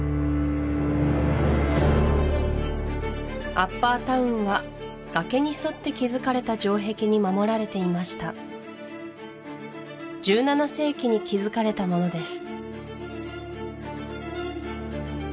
アッパータウンは崖に沿って築かれた城壁に守られていました１７世紀に築かれたものです